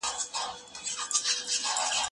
زه اوږده وخت د کتابتون پاکوالی کوم؟